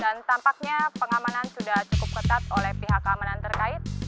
dan tampaknya pengamanan sudah cukup ketat oleh pihak keamanan terkait